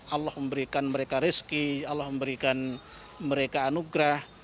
allah memberikan mereka rezeki allah memberikan mereka anugerah